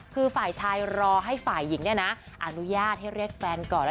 คือฝ่ายชายรอให้ฝ่ายหญิงเนี่ยนะอนุญาตให้เรียกแฟนก่อน